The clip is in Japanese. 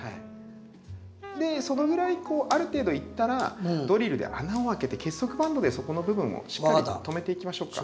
でそのぐらいある程度いったらドリルで穴を開けて結束バンドでそこの部分をしっかり留めていきましょうか。